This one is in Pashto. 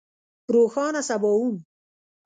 روښانه سباوون